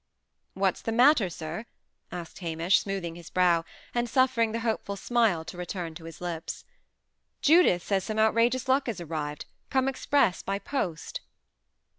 "What's the matter, sir?" asked Hamish, smoothing his brow, and suffering the hopeful smile to return to his lips. "Judith says some outrageous luck has arrived; come express, by post."